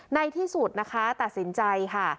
ในที่สุดนะคะตัดสินใจค่ะ